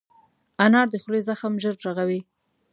انار د خولې زخم ژر رغوي.